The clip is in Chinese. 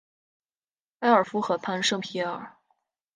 埃尔夫河畔圣皮耶尔。